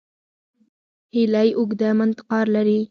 هیلۍ اوږده منقار لري